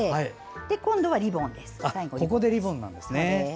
今度は、リボンです。